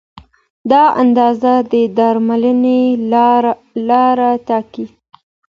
دا اندازه د درملنې لار ټاکي.